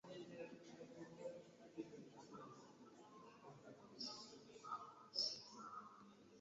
Ababe be yazze nabo, nabo bamujjulira omuwumbo gw’emmere n’ennyama bba gye yabagulidde.